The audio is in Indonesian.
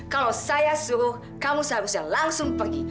kalau saya suruh kamu seharusnya langsung pergi